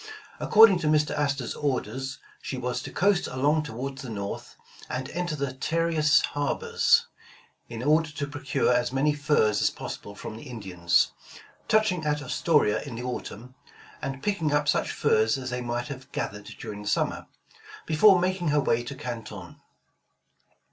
According to Mr. Astor's orders, she was to coast along toward the north, and enter the Tarious harbors, in order to procure as many furs as 163 The Original John Jacob Astor possible from the Indians, touching at Astoria in the autumn, and picking up such furs as they might have gathered during the summer, before making her way to Canton.